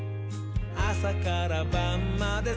あさからばんまで」